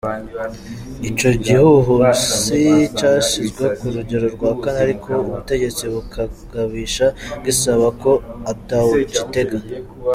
Ico gihuhusi cashizwe ku rugero rwa kane ariko ubutegetsi bukagabisha gisaba ko atawocitega.